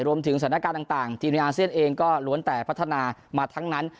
รวมถึงสถานการณ์ต่างทีมในอาเซียนเองก็ล้วนแต่พัฒนามาทั้งนั้น